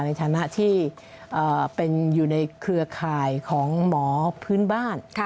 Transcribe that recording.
ในฐานะที่เป็นอยู่ในเครือข่ายของหมอพื้นบ้าน